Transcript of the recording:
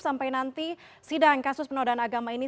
sampai nanti sidang kasus penodaan agama ini